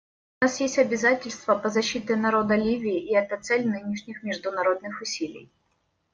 У нас есть обязательства по защите народа Ливии, и это цель нынешних международных усилий.